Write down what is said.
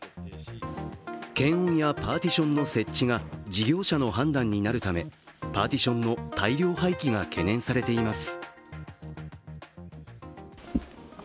検温やパーティションの設置が事業者の判断になるためパーティションの大量廃棄が懸念されています